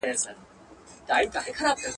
کښته پورته یې ځغستله لاندي باندي.